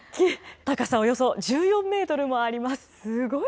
高さおよそ１４メートルもあります。